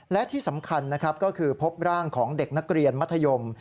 และที่สำคัญนะครับก็คือพบร่างของเด็กนักเรียนมัธยม